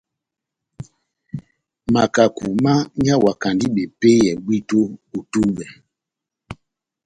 Makaku mányawakandi bepéyɛ bwíto ó tubɛ.